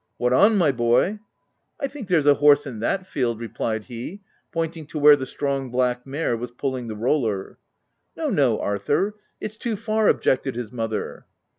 " What on, my boy ?"" I think there's a horse in that field/' re plied he, pointing to where the strong black mare was pulling the roller. " No, no, Arthur ; it's too far," objected his mother.